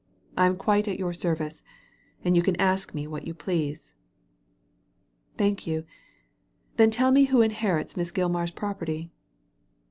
I am quite at your service, and you can ask me what you please." ^ Thank yoa Then tell me who inherits Miss Gilmar^s property